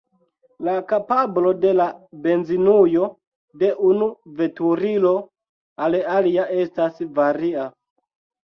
La kapablo de la benzinujo de unu veturilo al alia estas varia.